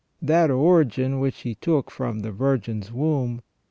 That origin which He took from the Virgin's womb.